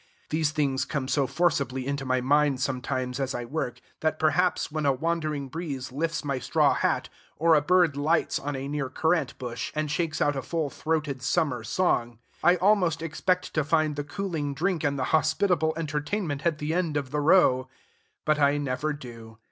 These things come so forcibly into my mind sometimes as I work, that perhaps, when a wandering breeze lifts my straw hat, or a bird lights on a near currant bush, and shakes out a full throated summer song, I almost expect to find the cooling drink and the hospitable entertainment at the end of the row. But I never do.